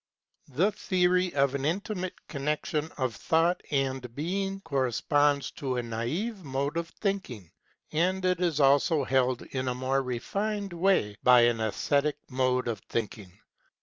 The theory of an intimate connection of Thought and Being corresponds to a naive mode of thinking, and it is also held in a more refined way by an aesthetic mode of thinking.